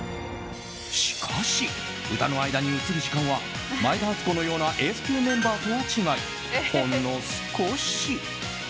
しかし、歌の間に映る時間は前田敦子のようなエース級メンバーとは違いほんの少し。